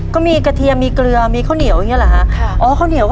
ก็มีกระเทียมมีเกลือมีข้าวเหนียวอย่างนี้หรอฮะ